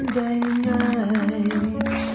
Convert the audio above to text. ดีจริง